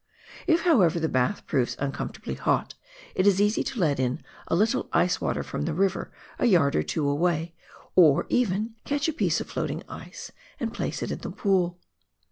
If, however, the bath proves uncomfortably hot, it is easy to let in a little ice water from the river a yard or two away, or even catch a piece of floating ice and place it in the pool.